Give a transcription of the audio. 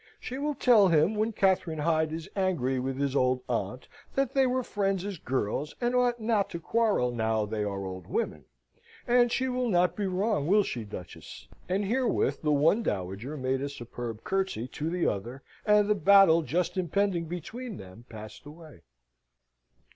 She will tell him, when Catherine Hyde is angry with his old aunt, that they were friends as girls, and ought not to quarrel now they are old women. And she will not be wrong, will she, Duchess?" And herewith the one dowager made a superb curtsey to the other, and the battle just impending between them passed away.